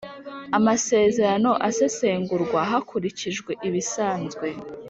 Amasezerano asesengurwa hakurikijwe ibisanzwe